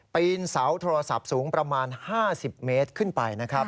ปีนเสาโทรศัพท์สูงประมาณ๕๐เมตรขึ้นไปนะครับ